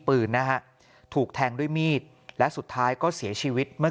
ปืนนะฮะถูกแทงด้วยมีดและสุดท้ายก็เสียชีวิตเมื่อ